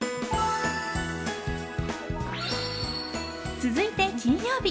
続いて金曜日。